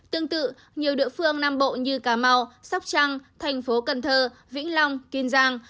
tương tự nhiều địa phương nam bộ như cà mau sóc trăng thành phố cần thơ vĩnh long kiên giang